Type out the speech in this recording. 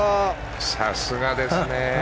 さすがですね。